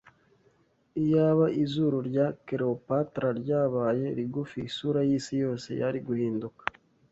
Iyaba izuru rya Cleopatra ryabaye rigufi, isura yisi yose yari guhinduka